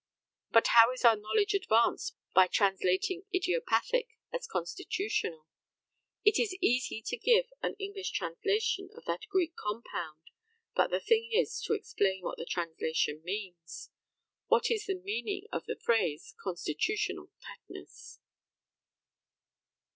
But how is our knowledge advanced by translating "idiopathic" as constitutional? It is easy to give an English translation of that Greek compound, but the thing is to explain what the translation means. What is the meaning of the phrase "constitutional tetanus?"